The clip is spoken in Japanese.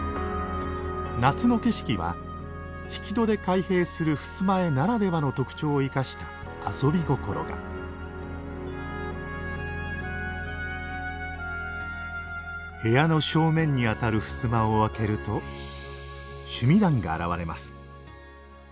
夏の景色は引き戸で開閉する襖絵ならではの特徴を生かした遊び心が部屋の正面にあたる襖を開けると須弥壇が現れます。